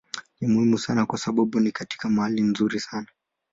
Ni muhimu sana kwa sababu ni katika mahali nzuri sana.